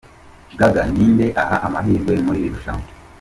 Gaga ni nde aha amahirwe muri iri rushanwa?.